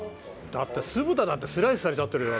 だって酢豚だってスライスされちゃってるよ。